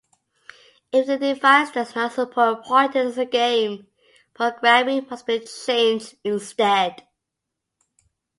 If the device does not support pointers the game programming must be changed instead.